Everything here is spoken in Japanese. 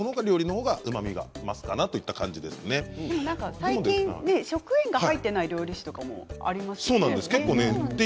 最近、食塩が入っていない料理酒もありますよね。